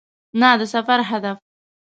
نه د سفر هدف .